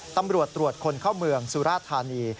ตำรวจตรวจคนเข้าเมืองสุราธานี